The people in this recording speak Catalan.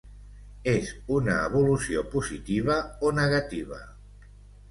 És una evolució positiva o negativa?